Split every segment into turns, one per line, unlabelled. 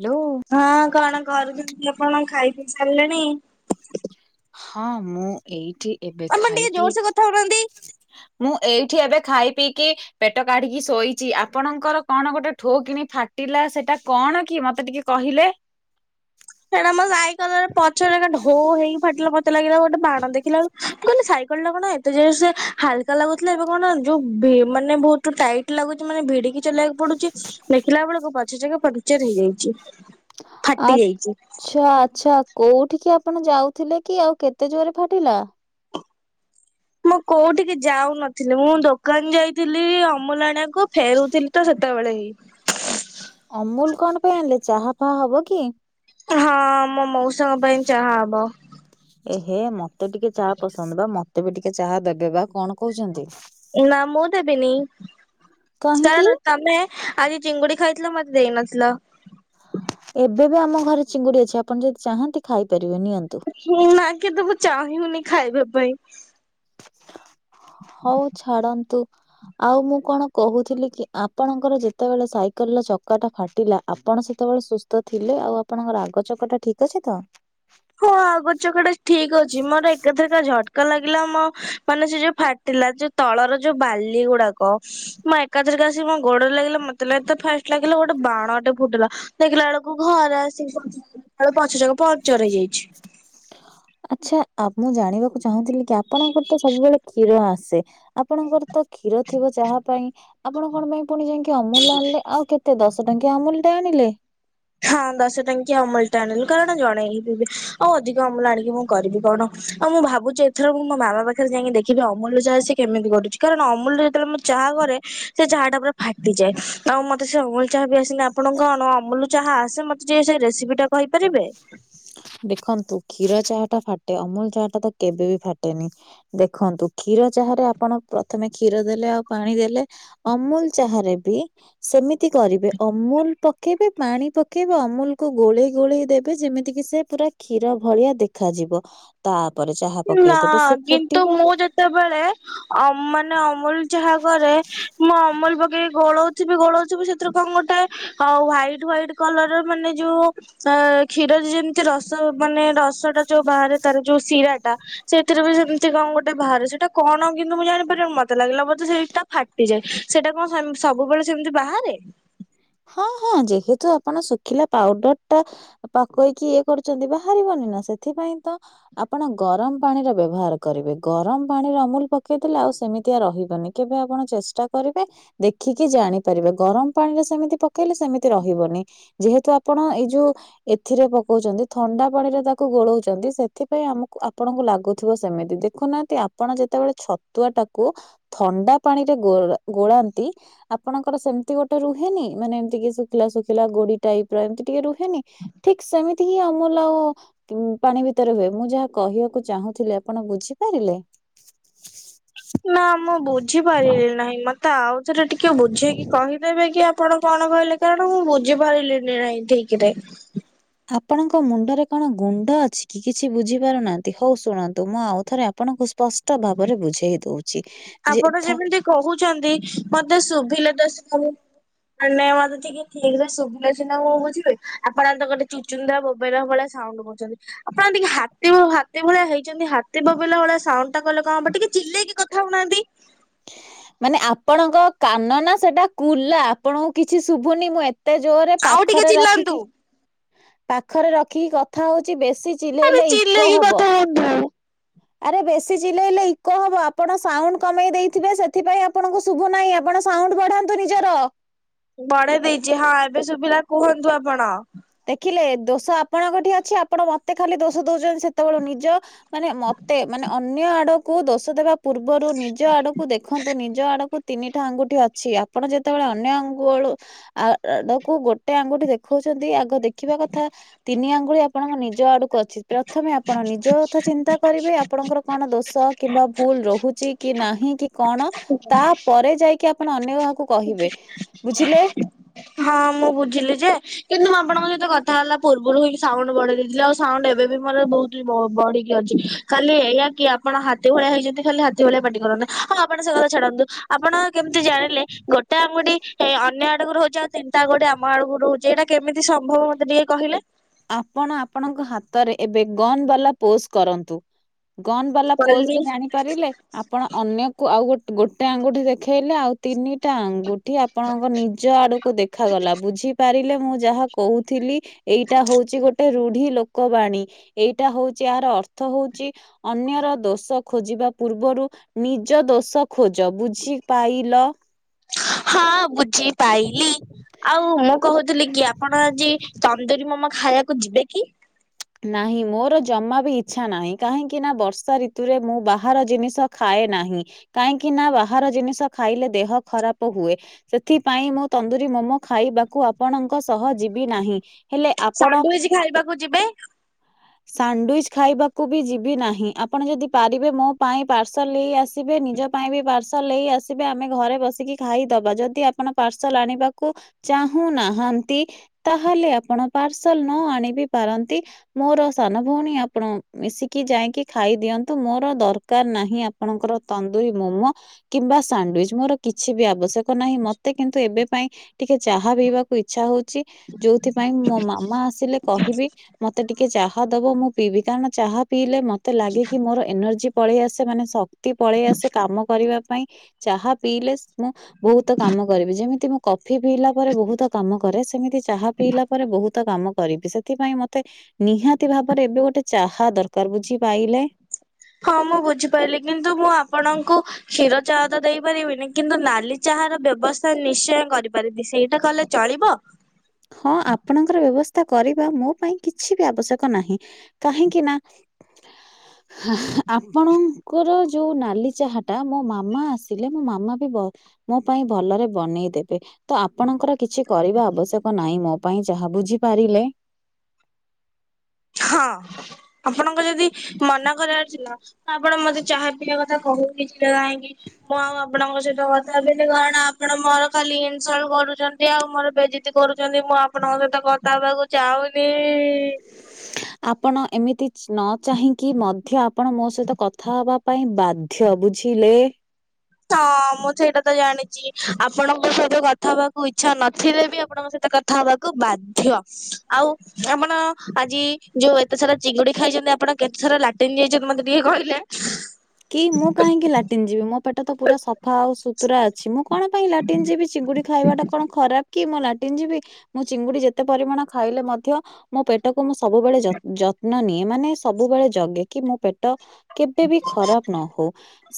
Hello.
ହଁ କଣ କରୁଛନ୍ତି, ଆପଣ ଖାଇ ପିଇ ସାରିଲେଣି?
ହଁ ମୁଁ ଏଇଟି
ଆପଣ ଟିକେ ଜୋର ସେ କଥା ହଉନାହାଁନ୍ତି?
ମୁଁ ଏଇଠି ଏବେ ଖାଇ ପିଇକି ପେଟ କାଢିକି ଶୋଇଛି। ଆପଣଙ୍କର କଣ ଗୋଟେ ଠୋ କିଣି ଫାଟିଲା? ସେଟା କଣ କି ମତେ ଟିକେ କହିଲେ?
ସେଇଟା ମୋ ସାଇକେଲର ପଛରେ ଢୋ ହେଇକି ଫାଟିଲା, ମତେ ଲାଗିଲା ଗୋଟେ ବାଣ ଦେଖିଲା ବେଳୁ କହିଲି ସାଇକେଲ ଟା କଣ ଏତେ ଯେ ହାଲକା ଲାଗୁଥିଲା, ଏବେ କଣ ଯୋଉ ମାନେ ବହୁତ ଟାଇଟ୍ ଲାଗୁଛି, ମାନେ ଭିଡିକି ଚଲେଇବାକୁ ପଡୁଛି। ଦେଖିଲା ବେଳକୁ ପଛ ଚକା ପମ୍ପଚର ହେଇଯାଇଛି ଫାଟିଯାଇଛି।
ଆଚ୍ଛା ଆଚ୍ଛା କୋଉଠିିକି ଆପଣ ଯାଉଥିଲେ କି, ଆଉ କେତେ ଜୋରରେ ଫାଟିଲା?
ମୁଁ କୋଉଠିକି ଯାଉନଥିଲି, ମୁଁ ଦୋକାନ ଯାଇଥିଲି ଅମୁଲ ଆଣିବାକୁ। ଫେରୁଥିଲି ତ ସେତେବେଳେ ହି
ଅମୁଲ କଣ ପାଇଁ ଆଣିଲେ, ଚାହା ଫାହା ହବ କି?
ହଁ ମୋ ମଉସାଙ୍କ ପାଇଁ ଚାହା ହବ।
ଏ ହେ ମତେ ଟିକେ ଚାହା ପସନ୍ଦ ବା, ମୋତେ ବି ଟିକେ ଚାହା ଦେବେ ବା, କଣ କହୁଚନ୍ତି?
ନାଁ ମୁଁ ଦେବିନି,
କାହିଁକି
କାରଣ ତମେ ଆଜି ଚିଙ୍ଗୁଡି ଖାଇଥିଲ, ମତେ ଦେଇନଥିଲ।
ଏବେ ବି ଆମ ଘରେ ଚିଙ୍ଗୁଡି ଅଛି, ଆପଣ ଯଦି ଚାହାନ୍ତି ଖାଇପାରିବେ ନିଅନ୍ତୁ।
ନା କିନ୍ତୁ ମୁଁ ଚାହୁନି ଖାଇବା ପାଇଁ।
ହଉ ଛାଡ଼ନ୍ତୁ। ଆଉ ମୁଁ କଣ କହୁଥିଲି କି, ଆପଣଙ୍କର ଯେତେବେଳେ ସାଇକେଲ ର ଚକାଟା ଫାଟିଲା ଆପଣ ସେତେବେଳେ ସୁସ୍ଥ ଥିଲେ, ଆଉ ଆପଣଙ୍କ ଆଗ ଚକାଟା ଠିକ୍ ଅଛି ତ?
ହଁ ଆଗ ଚକାଟା ଠିକ ଅଛି। ମୋର ଏକାଥରକେ ଝଟକା ଲାଗିଲା, ମୋ ମାନେ ସେ ଯୋଉ ଫା ଟିଲା ଯୋଉ ତଳର ଯୋଉ ବାଲି ଗୁଡାକ, ମୁଁ ଏକାଥରକେ ଆସିକି ମୋ ଗୋଡରେ ଲାଗିଲା। ମତେ ଲାଗି ତ ଫାଷ୍ଟ ଲାଗିଲା ଗୋଟେ ବାଣଟେ ଫୁଟିଲା, ଦେଖିଲା ବେଳକୁ ଘରେ ଆସିକି ପହଞ୍ଚି ଦେଖିଲା ବେଳକୁ ପଛ ଚ ପମ୍ପଚର ହେଇ ଯାଇଚି।
ଆଚ୍ଛା ଆ ମୁଁ ଜାଣିବାକୁ ଚାହୁଁଥିଲି କି, ଆପଣଙ୍କର ତ ସବୁବେଳେ କ୍ଷୀର ଆସେ ଆପଣଙ୍କର ତ କ୍ଷୀର ଥିବ ଚାହା ପାଇଁ, ଆପଣ କଣ ପାଇଁ ପୁଣି ଯାଇ ଅମୁଲ ଆଣିଲେ, ଆଉ କେତେ ଦଶ ଟଙ୍କିଆ ଅମୁଲଟା ଆଣିଲେ?
ହଁ ଦଶ ଟଙ୍କିଆ ଅମୁଲଟେ ଆଣିଲୁ, କାରଣ ଜଣେ ହିଁ ପିଇବେ। ଆଉ ଅଧିକ ଅମୁଲ ଆଣିକି ମୁଁ କରିବି କଣ? ଆଉ ମୁଁ ଭାବୁଛି, ଏଥର ମୁଁ ମୋ ମାମା ପାଖରେ ଯାଇକି ଦେଖିବି ଅମୁଲ ଚାହା ସେ କେମିତି କରୁଛି? କାରଣ ଅମୁଲ ଯେତେବେଳେ ଚାହା କରେ ସେ ଚାହା ଟା ପୁରା ଫାଟିଯାଏ। ଆଉ ମତେ ସେ ଅମୁଲ ଚାହା ବି ଆସ ନି ଆପଣ କଣ ଅମୁଲ ଚାହା ଆସେ, ମତେ ଟିକେ ସେ ରେସିପି ଟା କହିପାରିବେ?
ଦେଖନ୍ତୁ କ୍ଷୀର ଚାହାଟା ଫାଟେ, ଅମୁଲ ଚାହାଟା ତ କେବେ ବି ଫାଟେନି। ଦେଖନ୍ତୁ କ୍ଷୀର ଚାହାରେ ଆପଣ ପ୍ରଥମେ କ୍ଷୀର ଦେଲେ ଆଉ ପାଣି ଦେଲେ ଅମୁଲ ଚାହାରେ ବି ସେମିତି କରିବେ ଅମୁଲ ପକେଇବେ ପାଣି ପକେଇବେ ଅମୁଲକୁୁ ଗୋଳେଇ ଗୋଳେଇ ଦେବେ ଯେମିତି କିି ସେ ପୁରା କ୍ଷୀର ଭଳିଆ ଦେଖାଯିବ ତାପରେ ଚାହା
ନା
ପକେଇଦେବେ ସେ
କିନ୍ତୁ
ଫୁଟିବ।
ମୁଁ ଯେତେବେଳେ ଅ ମାନେ ଅମୁଲ ଚାହା କରେ ମୁଁ ଅମୁଲ ପକେଇକି ଗୋଳଉ ଯଦିବି ଗୋଳଉଥୁବୁ ସେଥିରୁ କଣ ଗୋଟେ ହ୍ୱାଇଟ ହ୍ୱାଇଟ କଲର ମାନେ ଯୋଉ ଅ କ୍ଷୀରରେ ଯେମିତି ରସ ମାନେ ରସଟା ଯୋଉ ବାହାରେ ତାର ଯୋଉ ଶିରା ସେଥିରେ ବି ସେମିତି କଣ ଗୋଟେ ବାହାରେ ସେଇଟା କଣ କିନ୍ତୁ ମୁଁ ଜାଣିପାରିବି ମତେ ଲାଗିଲା ମୋତେ ସେଇଟା। ଫାଟିଯାଏ, ସେଟା କଣ ସ ସବୁବେଳେ ସେମିତି ବାହାରେ?
ହଁ ହଁ ଯେହେତୁ ଆପଣ ଶୁଖିଲା ପାଉଡର ଟା ପାକୁଇକି ଇଏ କରୁଛନ୍ତି ବାହାରିବନି ନା ସେଥିପାଇଁ ତ ଆପଣ ଗରମ ପାଣିରେ ବ୍ୟବହାର କରିବେ ଗରମ ପାଣିରେ ଅମୁଲ ପକେଇ ଦେଲେ ଆଉ ସେମିତିଆ ରହିବନି। କେବେ ଆପଣ ଚେଷ୍ଟା କରିବେ ଦେଖିକି ଜାଣିପାରିବେ ଗରମ ପାଣିରେ ସେମିତି ପକେଇଲେ ସେମିତି ରହିବନି ଯେହେତୁ ଆପଣ ଏଇ ଯୋଉ ଏଥିରେ ପକଉଚନ୍ତି ଥଣ୍ଡା ପାଣିରେ ତାକୁ ଗୋଳଉଚନ୍ତି ସେଥିପାଇଁ ଆମକୁ ଆପଣଙ୍କୁ ଲାଗୁଥିବ ସେମିତି ଦେଖ ଦେଖୁନାହାନ୍ତି ଆପଣ ଯେତେବେଳେ ଛତୁଆଟାକୁ ଥଣ୍ଡା ପାଣିରେ ଗୋ ଗୋଳାନ୍ତି ଆପଣଙ୍କର ସେମିତି ଗୋଟେ ରୁ ରୁହେନି ମାନେ ଏମତିକି ଶୁଖିଲା ଶୁଖିଲା ଗୋଡି ଟାଇପର ଏମିତି ଟିକେ ରୁହେନି। ଠିକ ସେମିତି ହି ଅମୁଲ ଆଉ ଉଁ ପାଣି ଭିତରେ ହୁଏ ମୁଁ ଯାହା କହିବାକୁ ଚାହୁଁଥିଲି ଆପଣ ବୁଝିପାରିଲେ।
ନା ମୁଁ ବୁଝିପାରିଲି ନାହିଁ ମତେ ତେ ଆଉ ଥରେ ଟିକେ ବୁଝେଇକି କହିଦେବେ କି ଆପଣ କଣ କହିଲେ କାରଣ ମୁଁ ବୁ ବୁଝିପାରିଲି ନାହିଁ ଠିକରେ।
ଆପଣଙ୍କ ମୁଣ୍ଡରେ କଣ ଗୁଣ୍ଡ ଅଛି କି କିଛି ବୁଝିପାରୁନାହାନ୍ତି ହଉ ଶୁଣନ୍ତୁ ମୁଁ ଆଉ ଥରେ ଆପଣଙ୍କୁ ସ୍ପଷ୍ଟ ଭାବରେ ବୁଝେଇ ଦଉଛି। ଯେ
ଆପଣ
ଥ
ଯେମିତି କହୁଚନ୍ତି ମତେ ଶୁଭିଲେ ତ ନାଇଁ ନାଇଁ ମତେ ଟିକେ ଠିକରେ ଶୁଭିଲେ ସିନା ମୁଁ ବୁଝିବି ଆପଣ ତ ଗୋଟେ ଚୁଚୁନ୍ଦ୍ରା ବୋବେଇଲା ଭଳିଆ ସାଉଣ୍ଡ କହୁଛନ୍ତି। ଆପଣ ଟିକେ ହାତୀ ଓ ହାତୀ ଭଳିଆ ହେଇଛନ୍ତି ହାତୀ ବୋବେଇଲା ଭଳିଆ ସାଉଣ୍ଡଟା କଲେ କଣ ହବ ଟିକେ ଚିଲେଇକି କ କଥା ହଉନାହାନ୍ତି।
ମାନେ ଆପଣଙ୍କ କାନ ନା ସେଟା କୁଲା ଆପଣଙ୍କୁ କିଛି ଶୁଭୁନି ମୁଁ ଏ ଏତେ ଜୋରେ
ଆଉ ଟିକେ
ପାଖରେ
ଚିଲାନ୍ତୁ।
ରଖିକି ପାଖରେ ରଖିକି କଥା ହଉଚି ବେଶୀ
ଆରେ
ଚିଲେଇଲେ ଇକୋ
ଚିଲେଇକି
ହବ।
କଥା ହଉଚୁ।
ଆରେ ବେଶୀ ଚିଲେଇଲେ ଇକୋ ହବ ଆପଣ ସାଉଣ୍ଡ କମେଇ ଦେଇଥିବେ ସେଥିପାଇଁ ଆପଣଙ୍କୁ ଶୁ ଶୁଭୁ ନାହିଁ ଆପଣ ସାଉଣ୍ଡ ବଢାନ୍ତୁ ନିଜର।
ବଢେଇ ଦେଇଛି ହଁ ଏବେ ଶୁଭିଲା କୁହନ୍ତୁ ଆପଣ।
ଦେଖିଲେ ଦୋଷ ଆପଣଙ୍କଠି ଅଛି ଆପଣ ମତେ ଖାଲି ଦୋଷ ଦଉଛନ୍ତି ସେତେବେଳୁ ନିଜ- ମାନେ ମତେ ମାନେ ଅନ୍ୟ ଆଡ଼କୁ ଦୋଷ ଦେବା ପୂର୍ବରୁ ନିଜ ଆଡ଼କୁ ଦେଖନ୍ତୁ ନିଜ ଆଡ଼କୁ ତିନିଟା ଆଙ୍ଗୁଠି ଅଛି ଆପଣ ଯେତେବେଳେ ଅନ୍ୟ ଆଙ୍ଗୁଳୁ ଆଡକୁ ଗୋଟେ ଆଙ୍ଗୁଠି ଦେଖଉଛନ୍ତି ଆଗ ଦେଖିବା କଥା ତିନି ଆଙ୍ଗୁଳି ଆପଣଙ୍କ ନିଜ ଆଡକୁ ଅଛି ପ୍ରଥମେ ଆପଣ ନିଜ କଥା ଚିନ୍ତା କରିବେ ଆଉ ଆପଣଙ୍କର କଣ ଦୋଷ କିମ୍ବା ଭୁଲ ରହୁଛି କି ନାହିଁ କି କଣ ତାପରେ ଯାଇକି ଆପଣ ଅନ୍ୟ କାହାକୁ କହିବେ ବୁଝିଲେ।
ହଁ ମୁଁ ବୁଝିଲି ଯେ କିନ୍ତୁ ଆପଣଙ୍କ ସହିତ କଥା ହେଲା ପୂର୍ବରୁ ହିଁ ସାଉଣ୍ଡ ବଢେଇ ଦେଇଥିଲି ଆଉ ସାଉଣ୍ଡ ଏବେ ବି ମୋର ବହୁତ ବଢିକି ଅଛି ଖାଲି ଏଇଆ କି ଆପଣ ହାତୀ ଭଳିଆ ହେଇଛନ୍ତି ଖାଲି ହା ହାତୀ ଭଳିଆ ପାଟି କରନି ହଁ ଆପଣ ସେ କଥା ଛାଡନ୍ତୁ। ଆପଣ କେମିତି ଜାଣିଲେ? ଗୋଟେ ଆଙ୍ଗୁଠି ଏ ଅନ୍ୟ ଆଡକୁୁ [unintelligible] ତିନିଟା ଆଙ୍ଗୁଠି ଆମ ଆଡକୁ ରହୁଛି ଏଇଟା କେମିତି ସମ୍ଭବ ମତେ ଟିକେ କହିଲେ?
ଆପଣ ଆପଣଙ୍କ ହାତରେ ଏବେ ଗନ୍ ବାଲା ପୋଜ କରନ୍ତୁ। ଗନ୍ ବାଲା ପୋଜ
କହିଲି
ରେ ଜାଣିପାରିଲେ। ଆପଣ ଅନ୍ୟକୁ ଆଉ ଗୋ ଗୋଟେ ଆଙ୍ଗୁଠି ଦେଖେଇଲେ ଆଉ ତିନି ଟା ଆଙ୍ଗୁଠି ଆପଣଙ୍କ ନିଜ ଆଡକୁ ଦେଖାଗଲା ବୁଝିପାରିଲେ ମୁଁ ଯାହା କହୁଥିଲି? ଏଇଟା ହଉଛି ଗୋଟେ ରୂଢି ଲୋକ ବାଣୀ, ଏଇଟା ହଉଛି ଏହାର ଅର୍ଥ ହଉଛି ଅନ୍ୟର ଦୋଷ ଖୋଜିବା ପୂର୍ବରୁ ନିଜ ଦୋଷ ଖୋଜ ବୁଝି ପାଇଲ?
ହଁ ବୁଝ୍ ଝି ପାଇଲି ଆଉ ମୁଁ କହୁଥିଲି କି ଆପଣ ଆଜି ତନ୍ଦୁରିୀ ମୋମୋ ଖାଇବାକୁ ଯିବେ କି?
ନାହିଁ ମୋର ଜମା ବି ଇଚ୍ଛା ନାହିଁ, କାହିଁକି ନା ବର୍ଷା ଋତୁରେ ମୁଁ ବାହାର ଜିନିଷ ଖାଏ ନାହିଁ। କାହିଁକି ନା ବାହାର ଜିନିଷ ଖାଇଲେ ଦେହ ଖରାପ ହୁଏ। ସେଥିପାଇଁ ମୁଁ ତନ୍ଦୁରୀ ମୋମୋ ଖାଇବାକୁ ଆପଣଙ୍କ ସହ ଯିବି ନାହିଁ। ହେଲେ ଆପଣ
ସାଣ୍ଡୱିଚ ଖାଇବାକୁ ଯିବେ?
ସାଣ୍ଡୱିଚ ଖାଇବାକୁ ବି ଯିବି ନାହିଁ, ଆପଣ ଯଦି ପାରିବେ ମୋ ପାଇଁ ପାର୍ସଲ ନେଇ ଆସିବେ ନିଜ ପାଇଁ ବି ପାର୍ସଲ ନେଇ ଆସିବେ ଆମେ ଘରେ ବସିକି ଖାଇଦବା ଯଦି ଆପଣ ପାର୍ସଲ ଆଣିବାକୁ ଚାହୁଁ ନାହାନ୍ତି, ତାହେଲେ ଆପଣ ପାର୍ସଲ ନ ଆଣିବି ପାରନ୍ତି। ମୋର ସାନ ଭଉଣୀ ଆପଣ ମିଶିକି ଯାଇକି ଖାଇ ଦିଅନ୍ତୁ, ମୋର ଦରକାର ନାହିଁ ଆପଣଙ୍କର ତନ୍ଦୁରି ମୋମୋ। କିମ୍ବା ସାଣ୍ଡୱିଚ ମୋର କିଛି ବି ଆବଶ୍ୟକ ନାହିଁ ମତେ କିନ୍ତୁ ଏବେ ପାଇଁ ଟିକେ ଚାହା ପିଇବାକୁ ଇଚ୍ଛା ହଉଚଛି, ଯୋଉଥିପାଇଁ ମୋ ମାମା ଆସିଲେ କହିବି। ମତେ ଟିକେ ଚାହା ଦବ ମୁଁ ପିବି, କାରଣ ଚାହା ପିଇଲେ ମତେ ଲାଗେ କି ମୋର ଏନର୍ଜି ପଳେଇ ଆସେ ମାନେ ଶକ୍ତି ତି ପଳେଇ ଆସେ କାମ କରିବା ପାଇଁ ଚାହା ପିଇଲେ ମୁଁ ବହୁତ କାମ କରିବି, ଯେମିତି ମୁଁ କଫି ପିଇଲା ପରେ ବହୁତ କାମ କରେ ସେମିତି ଚାହା ପିଇଲା ପରେ ବହୁତ କାମ କରିବି ସେଥିପାଇଁ ମତେ ତେ ନିହାତି ଭାବରେ ଏବେ ଗୋଟେ ଚାହା ଦରକାର ବୁଝିପଇଲେ?
ହଁ ମୁଁ ବୁଝିପାରିଲି କିନ୍ତୁ ମୁଁ ଆପଣଙ୍କୁ କ୍ଷୀର ଚାହା ତ ଦେଇପାରିବିନି, କିନ୍ତୁ ନାଲି ଚାହା ର ବ୍ୟବସ୍ଥା ନିଶ୍ଚୟ କରିପାରିବି ସେଇଟା କଲେ ଚଳିବ?
ହଁ ଆପଣଙ୍କର ବ୍ୟବସ୍ଥା କରିବା ମୋ ପାଇଁ କିଛି ବି ଆବଶ୍ୟକ ନାହିଁ। କାହିଁକି ନା। ଆପଣଙ୍କର ଯେଉଁ ନାଲି ଚାହାଟା ମୋ ମାମା ଆସିଲେ ମୋ ମାମା ବି ବହ ମୋ ପାଇଁ ଭଲରେ ବନେଇ ଦେବେ ତ ଆପଣଙ୍କର କିଛି କରିବା ଆବଶ୍ୟକ ନାଇଁ ମୋ ପାଇଁ ଯାହା ବୁଝିପାରିଲେ?
ହଁ। ଆପଣଙ୍କ ଯଦି ମନା କରିବାର ଥିଲା ତ ଆପଣ ମତେ ଚାହା ପିଇବା କଥା କହୁ କାହିଁକି ମୁଁ ଆଉ ଆପଣଙ୍କ ସହିତ ଭିବିଲି କଣ ଆପଣ ମୋର ଖାଲି ଇନସଲ କରୁଛନ୍ତି ଆଉ ମୋର ବେଜିତି କରୁଛନ୍ତି ମୁଁ ଆପଣଙ୍କ ସହିତ କଥା ହବାକୁ ଚାହୁନି।
[unintelligible] ଆପଣ ଏମିତି ନ ଚାହିଁକି ମଧ୍ୟ ଆପଣ ମୋ ସହିତ କଥା ହବା ପାଇଁ ବା ଧ୍ୟ ବୁଝିଲେ?
ହଁ ମୁଁ ସେଇଟା ତ ଜାଣିଛି ଆପଣଙ୍କ ସହିତ କଥା ହବାକୁ ଇଚ୍ଛା ନଥିଲେ ବି ଆପଣଙ୍କ ସହିତ କ ଥାବାକୁ ବାଧ୍ୟ। ଆଉ ଆପଣ ଆଜି ଯୋଉ ଏତେ ସାରା ଚିଙ୍ଗୁଡି ଖାଇଛନ୍ତି ଆପଣ କେତେଥର ଲାଟିନ୍ ଯାଇଛ ମତେ ଟିକେ କହିଲେ।
କି ମୁଁ କାହିଁକି ଲାଟିନ୍ ଯିବି ମୋ ପେଟ ତ ପୁରା ସଫା ଆଉ ସୁତୁରା ଅଛି ମୁଁ କଣ ପାଇଁ ଲାଟିନ ଯିବି ଚିଙ୍ଗୁଡ଼ି ଖାଇବାଟା କଣ ଖରାପ? କି ମୁଁ ଲାଟିନ୍ ଯିବି ମୁଁ ଚିଙ୍ଗୁଡି ଯେତେ ପରିମାଣ ଖାଇଲେ ମଧ୍ୟ ମୋ ପେଟ ପେଟକୁ ମୁଁ ସବୁବେଳେ ଯତ୍ନ ନିଏ ମାନେ ସବୁବେଳେ ଜଗେ କି ମୁଁ ପେଟ କେବେବି ଖରାପ ନ ହଉ।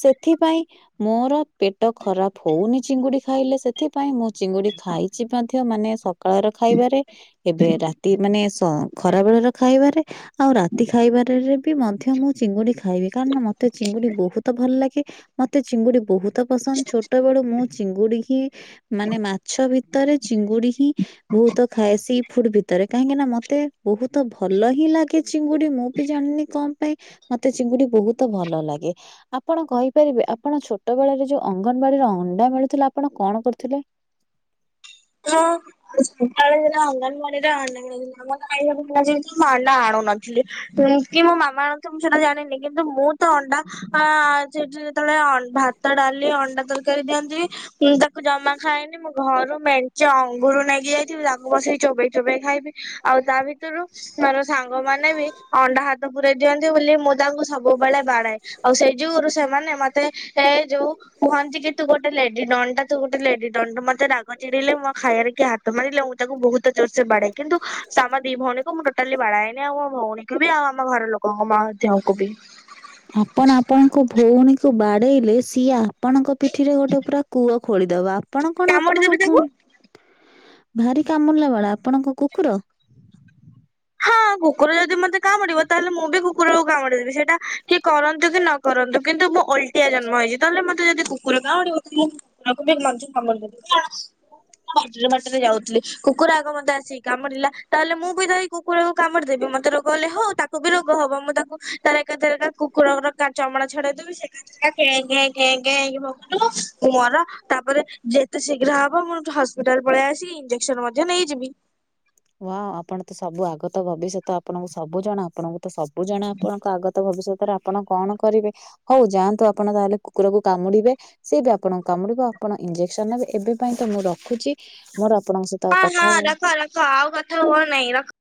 ସେଥିପାଇଁ ମୋର ପେଟ ଖରାପ ହଉନି ଚିଙ୍ଗୁଡି ଖାଇଲେ ସେ ସେଥିପାଇଁ ମୁଁ ଚିଙ୍ଗୁଡି ଖାଇଛି ମଧ୍ୟ ମାନେ ସକାଳ ର ଖାଇବାରେ ଏବେ ରାତି ମାନେ ଖରା ବେଳର ଖାଇବାରେ। ଆଉ ରାତି ଖାଇବାରରେ ବି ମଧ୍ୟ ମୁଁ ଚିଙ୍ଗୁଡି ଖାଇବି କାରଣ ମତେ ମତେ ଚିଙ୍ଗୁଡି ବହୁତ ଭଲ ଲାଗେ ମତେ ଚିଙ୍ଗୁଡି ବହୁତ ପସନ୍ଦ ଛୋଟ ବେଳୁ ମୁଁ ଚିଙ୍ଗୁଡି ହିଁ ମାନେ ମାଛ ଭିତରେ ଚିଙ୍ଗୁଡି ହିଁ ବହୁତ ଖାଏ ସି ଫୁଡ ଭିତରେ କାହିଁକି ନା ମତେ ବହୁତ ଭଲ ହିଁ ଲାଗେ ଚିଙ୍ଗୁଡି ମୁଁ ବି ଜାଣିନି କଣ ପାଇଁ ମତେ ଚିଙ୍ଗୁଡି ବହୁତ ଭଲ ଲାଗେ। ଆପଣ କହିପାରିବେ ଆପଣ ଛୋଟ ବେଳରେ ଯୋଉ ଅଙ୍ଗନବାଡିରେ ଅଣ୍ଡା ମିଳୁଥିଲା ଆପଣ କଣ କରୁଥିଲେ?
ହଁ। ଆ ସକାଳେ ଅଙ୍ଗନବାଡିରେ ଆଣ୍ଡା ଆମରାଇ ଯିବ ତ ଅଣ୍ଡା ଆଣୁନନ୍ତି। ସେ କି ମୋ ମାମା ଆଣିଥିବ ତ ମୁଁ ସେଟା ଜାଣିନି କିନ୍ତୁ ମୁଁ ତ ଅଣ୍ଡା ସେଠି ଯେତେବେଳେ ଭାତ ଡାଲି ଅଣ୍ଡା ତରକାରୀ ଦିଅନ୍ତି ମୁଁ ତାକୁ ଜମା ଖାଇନି ମୁଁ ଘରୁ ମେ ସେ ଅଙ୍ଗୁର ନେଇକି ଯାଇଥିବି ତାକୁ ବସି ଚୋବେଇ ଚୋବେଇ ଖାଇବି ଆଉ ତା ଭିତରୁ ମୋର ସାଙ୍ଗମାନେ ବି ଅଣ୍ଡା ହାତ ପ ଦିଅନ୍ତି ବୋଲି ମୁଁ ତାଙ୍କୁ ସବୁବେଳେ ବାଡାଏ ଆଉ ସେଇ ଯୁଗୁରୁ ସେମାନେ ମତେ ଏ ଯୋଉ କୁହନ୍ତି କି ତୁ ଗୋଟେ ଲେଡି ଡନ୍ ଟା ତୁ ଗୋଟେ ଲେଡିଡନ୍ ଟା ମତେ ରାଗ ଚିଡିଲେ ଖାଇାରେ କିଏ ହାତ ମାରିଲେ ମୁଁ ତାକୁ ବହୁତ ଜୋରସେ ବାଢେ କିନ୍ତୁ ଆମ ଦି ଭଉଣୀକୁ ମୁଁ ଟୋଟାଲି ବାଢାଏନି ଆଉ ମୋ ଭଉଣୀକୁ ବି ଆଉ ଆମ ଘର ଲୋକଙ୍କୁ। ତାଙ୍କୁ ବି।
ଆପଣ ଆପଣଙ୍କ ଭଉଣୀକୁ ବାଡେଇଲେ ସିଆ ଆପଣଙ୍କ ପିଠିରେ ଗୋଟେ ପୁରା କୂଅ ଖୋଳିଦବା ଆପଣ କଣ
କାମୁଡି ଦେବି
ଆପଣଙ୍କ
ତାକୁ
ଭଉଣ ଭାରି କାମୁିଡିଲା ବାଳା ଆପଣ କଣ କୁକୁର?
ହଁ କୁକୁର ଯଦି ମତେ କାମୁଡିବ ତାହେଲେ ମୁଁ ବି କୁକୁରକୁ କାମୁଡିଦେବି ସେଇଟା କି କରନ୍ତୁ କି ନ କରନ୍ତୁ କିନ୍ତୁ ମୁ ଅଲଟିଆ ଜନ୍ମ ହେଇଛି ତାହେଲେ ମୋତେ ଯଦି କୁକୁର କାମୁଡ଼ିବ ମୁଁ ଲକୁବ ମଞ୍ଚ କାମ ବାଟରେ ବାଟରେ ଯାଉଥିଲି କୁକୁର ଆଗ ମୋତେ ଆସିକି କାମୁଡିଲା ତାହଲେ ମୁଁ ବି ଧଇ କୁକୁରକୁ କାମରେ ଦେବି ମତେ ରୋଗ ହେଲେ ହଉ ତାକୁ ବି ରୋଗ ହବ ମୁଁ ତାକୁ ତାର ଏକାଥରକା କୁକୁରର ତାଚମଡା ଛଡେଇଦେବି ସେ କେ କେ କେ ହଇ ବବୁଥିବ। ତୁ ମର ତାପରେ ଯେତେ ଶୀଘ୍ର ହବ ମଠୁ ହସ୍ପି ହସ୍ପିଟଲ ପଳେଇ ଆସିକି ଇଞ୍ଜେସନ ମଧ୍ୟ ନେଇଯିବି।
ହଁ, ଆପଣ ତ ସବୁ ଆଗତ ଭବିଷ୍ୟତ ଆପଣଙ୍କୁ ସବୁଜଣା ଆପଣଙ୍କୁ ତ ସବୁ ଜଣା ଆପଣଙ୍କୁ ଆଗତ ଭବିଷ୍ୟତରେ ଆପଣ କଣ କରିବେ? ହଉ ଯାଆନ୍ତୁ ଆପଣ ତାହେଲେ କୁକୁରକୁ କାମୁଡିବେ। ସେ ବି ଆପଣଙ୍କୁ କାମୁଡିବ ଆପଣ ଇଞ୍ଜେକ୍ସନ ନେବେ ଏବେ ପାଇଁ ତ ମୁଁ ରଖୁଛି ମୋର ଆପଣଙ୍କ ସ
ହ ହଁ ରଖ ରଖ ଆଉ କଥା ହୁଅ ନାଇଁ ରଖ।